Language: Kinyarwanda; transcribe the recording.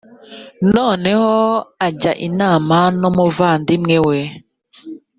nanone ajya inama numuvandimwe we